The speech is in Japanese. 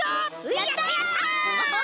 やったやった！